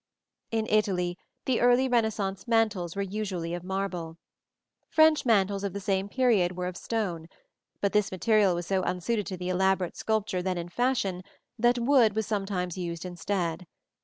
In Italy the early Renaissance mantels were usually of marble. French mantels of the same period were of stone; but this material was so unsuited to the elaborate sculpture then in fashion that wood was sometimes used instead.